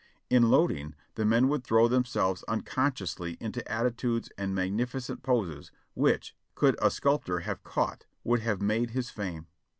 In loading, the men would throw themselves uncon sciously into attitudes and magnificent poses which, could a sculptor have caught, would have made his fame.